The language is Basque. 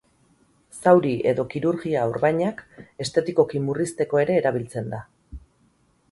Zauri edo kirurgia-orbainak estetikoki murrizteko ere erabiltzen da.